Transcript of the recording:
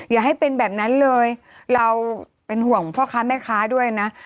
อย่าให้เป็นแบบนั้นเลยเราเป็นห่วงพ่อค้าแม่ค้าด้วยนะ